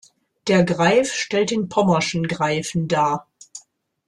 Der Greif stellt den pommerschen Greifen dar.